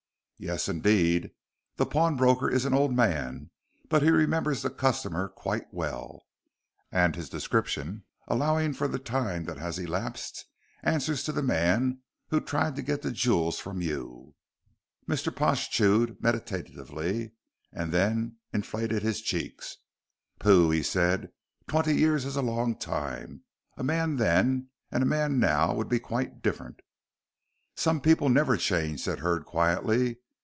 "Yes, indeed. The pawnbroker is an old man, but he remembers the customer quite well, and his description, allowing for the time that has elapsed, answers to the man who tried to get the jewels from you." Mr. Pash chewed meditatively, and then inflated his cheeks. "Pooh," he said, "twenty years is a long time. A man then, and a man now, would be quite different." "Some people never change," said Hurd, quietly.